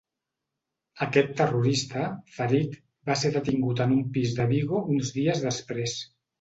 Aquest terrorista, ferit, va ser detingut en un pis de Vigo uns dies després.